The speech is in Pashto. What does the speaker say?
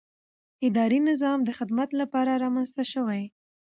اداري نظام د خدمت لپاره رامنځته شوی.